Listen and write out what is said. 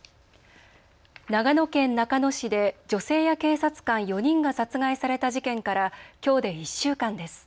長野県中野市で女性や警察官４人が殺害された事件からきょうで１週間です。